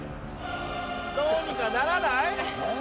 どうにかならない？